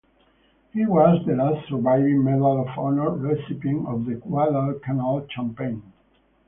He was the last surviving Medal of Honor recipient of the Guadalcanal campaign.